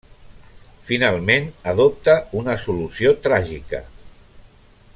Finalment, adopta una solució tràgica.